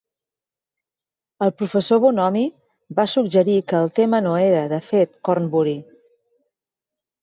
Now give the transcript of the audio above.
El professor Bonomi va suggerir que el tema no era, de fet, Cornbury.